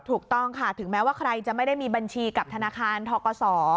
ถูกต้องค่ะถึงแม้ว่าใครจะไม่ได้มีบัญชีกับธนาคารทกศ